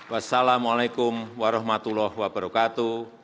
wassalamu'alaikum warahmatullahi wabarakatuh